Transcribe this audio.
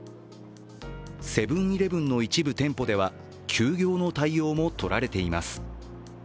セブン−イレブンの一部店舗では休業の対応もとられています。